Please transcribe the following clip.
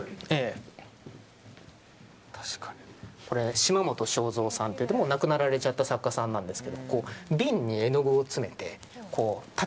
嶋本昭三さんっていって亡くなられちゃった作家さんなんですけど。